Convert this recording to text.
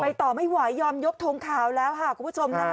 ไปต่อไม่ไหวยอมยกโทรงข่าวแล้วค่ะครับคุณผู้ชมค่ะ